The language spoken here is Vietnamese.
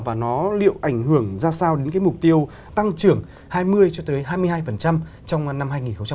và nó liệu ảnh hưởng ra sao đến cái mục tiêu tăng trưởng hai mươi cho tới hai mươi hai trong năm hai nghìn hai mươi